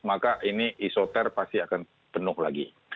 maka ini isoter pasti akan penuh lagi